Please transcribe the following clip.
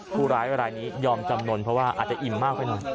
ผู้ร้ายรายนี้ยอมจำนวนเพราะว่าอาจจะอิ่มมากไปหน่อย